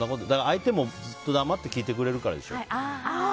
相手もずっと黙って聞いてくれるからでしょ。